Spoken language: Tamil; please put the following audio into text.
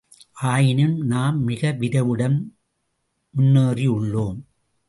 ஆயினும், நாம் மிக விரைவுடன் முன்னேறியுள்ளோம்.